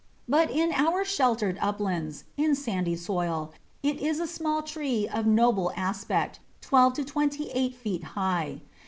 But in our sheltered uplands, in sandy soil, it is a small tree of noble aspect, twelve to twenty eight feet high.